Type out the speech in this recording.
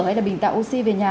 hay là bình tạo oxy về nhà